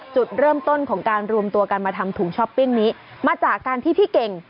จุดเริ่มต้นของการรวมตัวกันมาทำถุงช้อปปิ้งนี้มาจากการที่พี่เก่ง